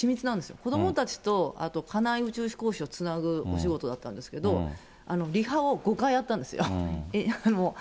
子どもたちと、あとかない宇宙飛行士をつなぐお仕事だったんですけど、リハを５回やったんです。